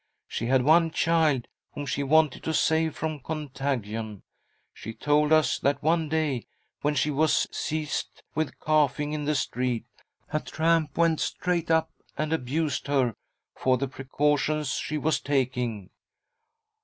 She had one child whom she wanted to save from contagion. She told us that, one day, when she was seized with coughing in the street, a tramp went straight up and abused her for the precautions she was taking.